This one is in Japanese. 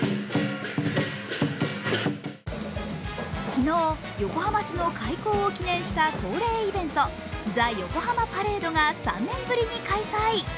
昨日、横浜市の開港を記念した恒例イベント、ザよこはまパレードが３年ぶりに開催。